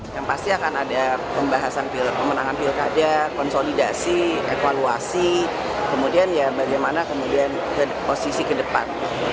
yang pasti akan ada pembahasan pemenangan pilkada konsolidasi evaluasi kemudian ya bagaimana kemudian posisi ke depan